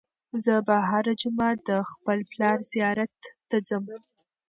زه به هره جمعه د خپل پلار زیارت ته ځم.